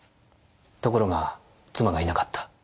ところが妻がいなかった。